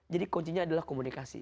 jadi kuncinya adalah komunikasi